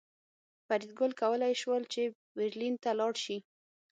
فریدګل کولی شول چې برلین ته لاړ شي